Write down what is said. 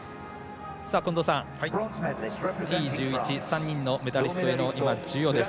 近藤さん、Ｔ１１、３人のメダリストへの授与です。